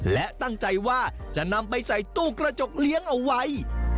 และตั้งใจว่าจะนำไปใส่ตู้กระจกเลี้ยงเอาไว้